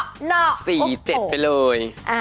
๔๗ไปเลย